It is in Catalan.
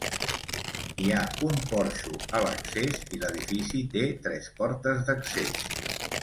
Hi ha un porxo a l'accés i l'edifici té tres portes d'accés.